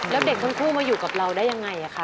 แล้วเด็กทั้งคู่มาอยู่กับเราได้ยังไงคะ